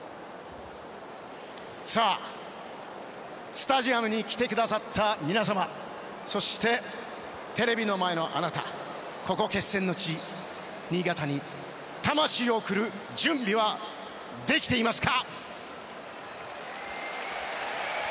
スタジアムに来てくださった皆様そして、テレビの前のあなたここ決戦の地・新潟に魂を送る準備はできていますか？